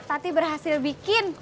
tati berhasil bikin